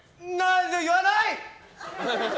言わない！